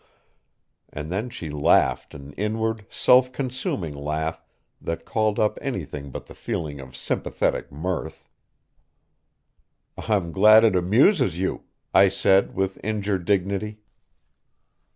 And then she laughed an inward, self consuming laugh that called up anything but the feeling of sympathetic mirth. "I'm glad it amuses you," I said with injured dignity.